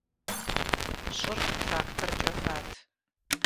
Щӏыр тракторкӏэ ват.